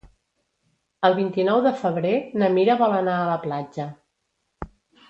El vint-i-nou de febrer na Mira vol anar a la platja.